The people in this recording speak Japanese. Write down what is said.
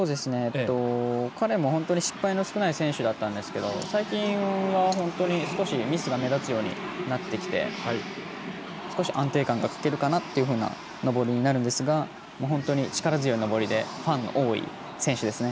彼も、本当に失敗の少ない選手だったんですが最近は本当に少しミスが目立つようになってきて安定感に欠けるかなという登りになるんですが本当に力強い登りでファンの多い選手ですね。